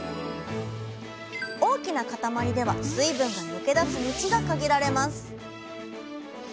大きなかたまりでは水分が抜け出す道が限られます。